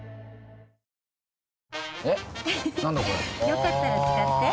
よかったら使って。